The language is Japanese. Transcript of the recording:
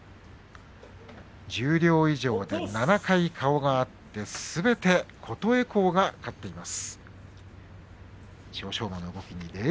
十両以上で７回顔が合って琴恵光が勝っています。